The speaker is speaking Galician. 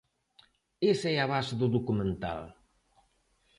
Esa é a base do documental.